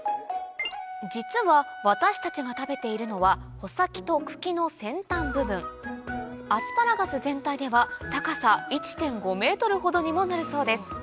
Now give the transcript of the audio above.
実は私たちが食べているのは穂先と茎の先端部分アスパラガス全体では高さ１．５ｍほどにもなるそうです